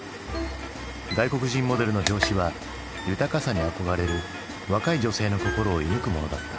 外国人モデルの表紙は豊かさに憧れる若い女性の心を射ぬくものだった。